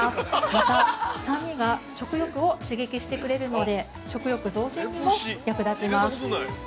また、酸味が食欲を刺激してくれるので食欲増進にも役立ちます。